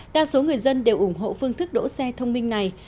đa số người dân đều ủng hộ phương thức đỗ xe thông minh này